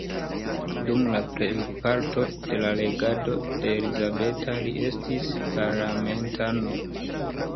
Dum la plejparto de la regado de Elizabeta li estis parlamentano.